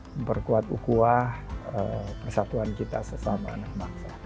memperkuat ukuah persatuan kita sesama anak bangsa